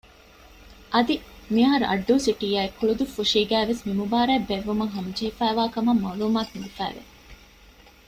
އަދި މިއަހަރު އައްޑޫ ސިޓީއާއި ކުޅުދުއްފުށީގައި ވެސް މި މުބާރާތް ބޭއްވުމަށް ހަމަޖެހިފައިވާކަމަށް މައުލޫމާތު ލިބިފައިވެ